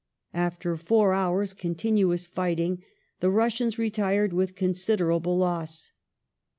After four hours' continuous fighting the Russians retired with considerable loss.